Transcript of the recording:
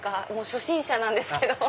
初心者なんですけど。